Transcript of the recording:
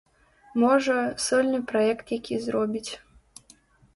Можа, сольны праект які зробіць.